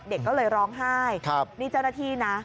เด็กปัจฉ์ก็เลยร้องไห้ครับนี่เจ้านาทีน่ะ